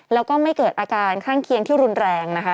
แล้วก็ไม่เกิดอาการข้างเคียงที่รุนแรงนะคะ